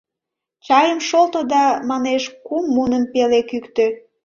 Чайым шолто да, манеш, кум муным пеле кӱктӧ.